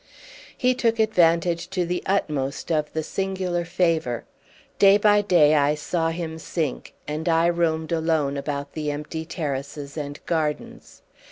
He took advantage to the utmost of the singular favour. Day by day I saw him sink, and I roamed alone about the empty terraces and gardens.